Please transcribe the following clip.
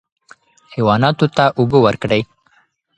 حیواناتو ته اوبه ورکړئ.